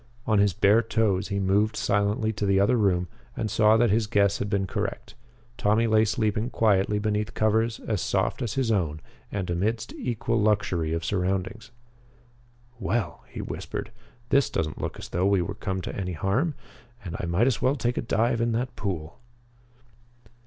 On his bare toes, he moved silently to the other room and saw that his guess had been correct. Tommy lay sleeping quietly beneath covers as soft as his own and amidst equal luxury of surroundings. "Well," he whispered, "this doesn't look as though we would come to any harm. And I might as well take a dive in that pool."